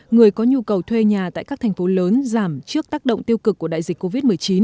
người có nhu cầu thuê nhà tại các thành phố lớn giảm trước tác động tiêu cực của đại dịch covid một mươi chín